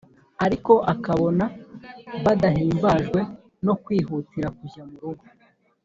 ariko akabona badahimbajwe no kwihutira kujya mu rugo.